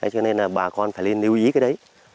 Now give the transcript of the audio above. cho nên là bà con phải nên lưu ý cái đấy